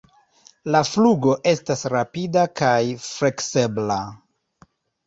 La flugo estas rapida kaj fleksebla.